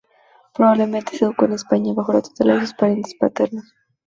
Probablemente se educó en España bajo la tutela de sus parientes paternos.